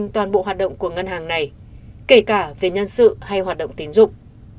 toàn bộ hoạt động của ngân hàng này kể cả về nhân sự hay hoạt động tiến dụng